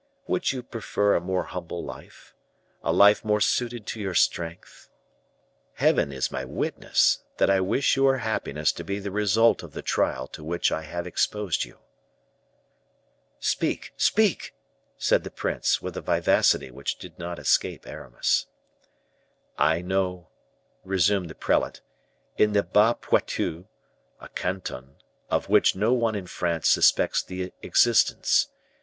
Would you prefer a more humble life, a life more suited to your strength? Heaven is my witness, that I wish your happiness to be the result of the trial to which I have exposed you." "Speak, speak," said the prince, with a vivacity which did not escape Aramis. "I know," resumed the prelate, "in the Bas Poitou, a canton, of which no one in France suspects the existence.